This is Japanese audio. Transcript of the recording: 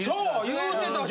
言うてたし。